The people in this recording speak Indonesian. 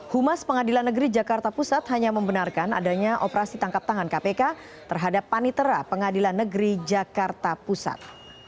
humas pengadilan negeri jakarta pusat hanya membenarkan adanya operasi tangkap tangan kpk terhadap panitera pengadilan negeri jakarta pusat